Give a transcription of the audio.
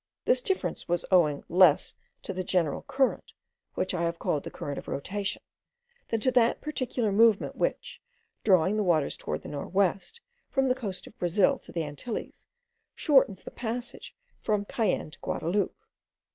This difference was owing less to the general current, which I have called the current of rotation, than to that particular movement, which, drawing the waters toward the north west, from the coast of Brazil to the Antilles, shortens the passage from Cayenne to Guadaloupe.